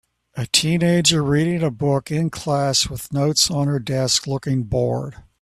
A teenager reading a book in class with notes on her desk looking bored